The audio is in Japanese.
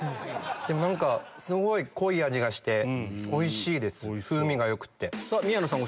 でも何かすごい濃い味がしておいしいです風味がよくって。